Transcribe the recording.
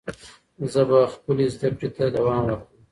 زه به خپلې زده کړې ته دوام ورکړم.